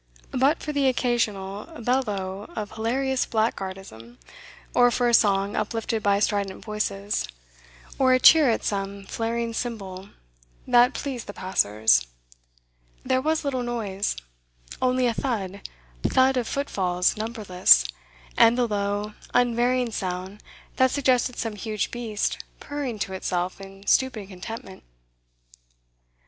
But for an occasional bellow of hilarious blackguardism, or for a song uplifted by strident voices, or a cheer at some flaring symbol that pleased the passers, there was little noise; only a thud, thud of footfalls numberless, and the low, unvarying sound that suggested some huge beast purring to itself in stupid contentment.